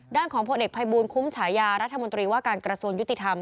ของผลเอกภัยบูลคุ้มฉายารัฐมนตรีว่าการกระทรวงยุติธรรม